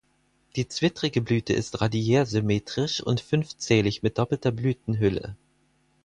Die zwittrige Blüte ist radiärsymmetrisch und fünfzählig mit doppelter Blütenhülle.